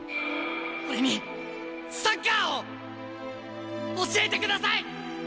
俺にサッカーを教えてください！